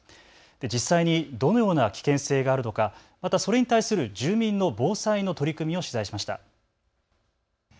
実際にどのような危険性があるのか、またそれに対する住民の防災の取り組みを取材しました。